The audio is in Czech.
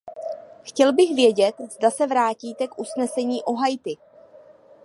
Chtěl bych vědět, zda se vrátíte k usnesení o Haiti.